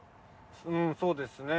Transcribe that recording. うんそうですね。